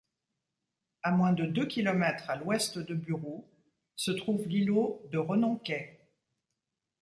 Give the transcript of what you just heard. À moins de deux kilomètres à l'ouest de Burhou se trouve l'îlot de Renonquet.